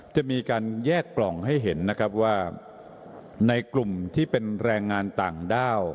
จะมีการแยกกล่องให้เห็นนะครับว่าในกลุ่มที่เป็นแรงงานต่างด้าว